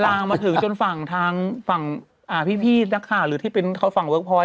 ลางมาถึงจนฝั่งทางฝั่งพี่นักข่าวหรือที่เป็นเขาฝั่งเวิร์คพอยต์